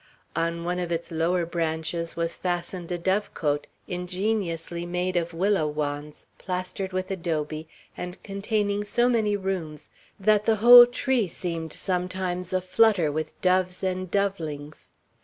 On one of its lower branches was fastened a dove cote, ingeniously made of willow wands, plastered with adobe, and containing so many rooms that the whole tree seemed sometimes a flutter with doves and dovelings.